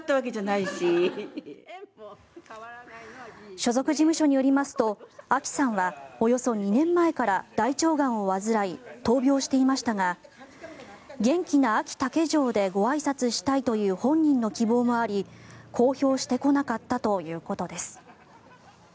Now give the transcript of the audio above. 所属事務所によりますとあきさんはおよそ２年前から大腸がんを患い闘病していましたが元気なあき竹城でごあいさつしたいという本人の希望もあり公表してこなかったということです。